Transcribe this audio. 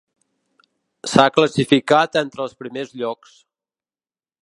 S'ha classificat entre els primers llocs.